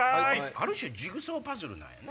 ある種ジグソーパズルなんやな。